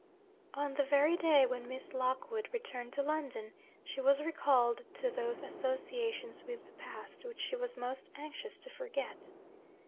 On the very day when Miss Lockwood returned to London, she was recalled to those associations with the past which she was most anxious to forget.